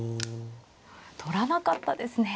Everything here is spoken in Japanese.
取らなかったですね。